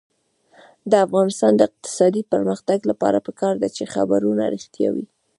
د افغانستان د اقتصادي پرمختګ لپاره پکار ده چې خبرونه رښتیا وي.